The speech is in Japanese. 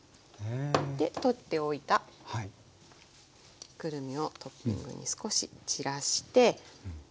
で取っておいたくるみをトッピングに少しちらして。